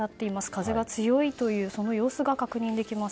風が強いというその様子が確認できます。